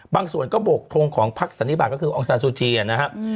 บางส่วนก็โบกทงของพักสันนิบาทก็คือองซานซูจีนะครับ